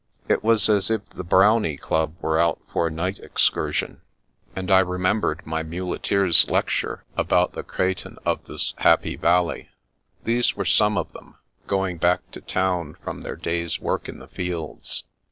It was as if the Brownie Club were out for a night excursion; and I remembered my muleteer's lecture about the cretins of this happy valley. These were some of them, going back to town from their day's work in the fields.